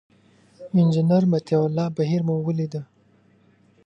انجینر مطیع الله بهیر مو ولید.